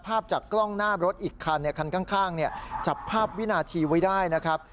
ภาพจากกล้องหน้ารถอีกคันคันข้างจับภาพวินาทีไว้ได้นะครับ